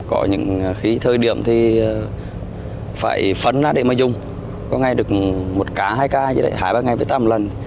có những khi thời điểm thì phải phấn ra để mà dùng có ngày được một cá hai cá hai hai ba ngày với tạm lần